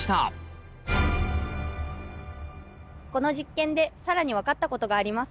この実験で更に分かったことがあります。